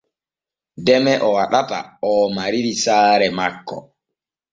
Deme o waɗata oo mariri saare makko.